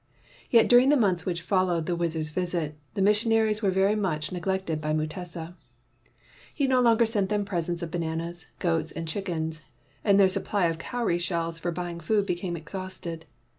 Yet during the months which followed the wizard's visit, the missionaries were very much neglected by Mutesa. He no longer sent them presents of bananas, goats, and chickens, and their supply of cowry shells for buying food became exhausted.